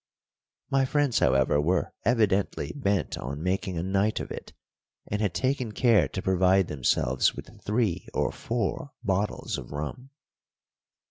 My friends, however, were evidently bent on making a night of it, and had taken care to provide themselves with three or four bottles of rum.